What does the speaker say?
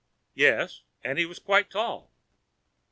"Yes, and he was quite tall."